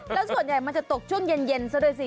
แล้วส่วนใหญ่มันจะตกช่วงเย็นซะด้วยสิ